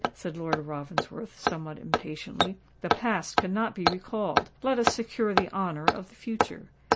said Lord Ravensworth, somewhat impatiently. "The past cannot be recalled: let us secure the honour of the future.